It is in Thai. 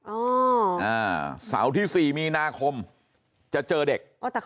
อ๋ออ่าเสาร์ที่สี่มีนาคมจะเจอเด็ก